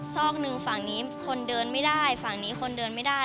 ซอกหนึ่งฝั่งนี้คนเดินไม่ได้ฝั่งนี้คนเดินไม่ได้